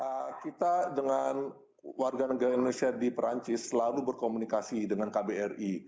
ya kita dengan warga negara indonesia di perancis selalu berkomunikasi dengan kbri